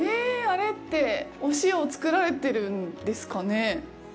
あれってお塩を作られてるんですかね？